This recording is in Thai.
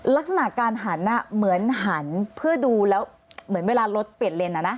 ลักษณะการหันเหมือนหันเพื่อดูแล้วเหมือนเวลารถเปลี่ยนเลน